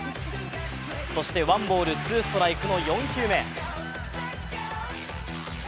そして、１ボール・２ストライクの４球目。